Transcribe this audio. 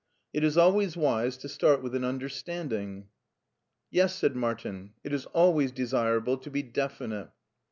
It is alwa}rs wise to start with an understanding." " Yes," said Martin, " it is always desirable to be definite."